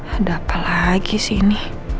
ada apa lagi sih ini